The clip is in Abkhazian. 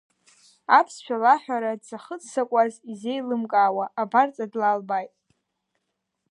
Аԥсшәа лаҳәара дзахыццакуаз изеилымкаауа, абарҵа длалбааит.